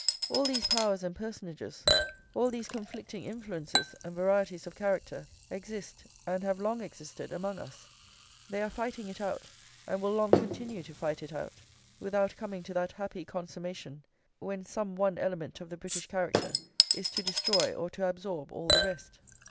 All these powers and personages, all these conflicting influences and varieties of character, exist, and have long existed among us; they are fighting it out, and will long continue to fight it out, without coming to that happy consummation when some one element of the British character is to destroy or to absorb all the rest."